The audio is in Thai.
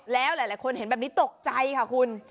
แล้วหลายคนเห็นแบบนี้ตกใจค่ะคุณ